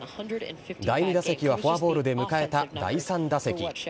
第２打席はフォアボールで迎えた第３打席。